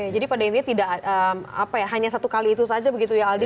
jadi pada intinya tidak apa ya hanya satu kali itu saja begitu ya aldi